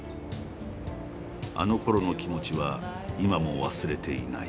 あのころの気持ちは今も忘れていない。